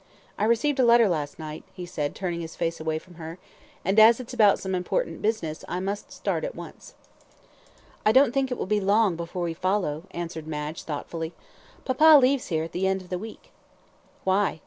"I received a letter last night," he said, turning his face away from her; "and, as it's about some important business, I must start at once." "I don't think it will be long before we follow," answered Madge, thoughtfully. "Papa leaves here at the end of the week." "Why?"